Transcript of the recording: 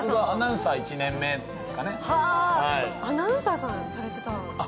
アナウンサーさんされてたんですね。